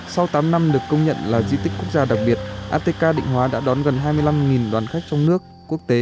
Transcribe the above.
sau tám năm được công nhận là di tích quốc gia đặc biệt atk định hóa đã đón gần hai mươi năm đoàn khách trong nước quốc tế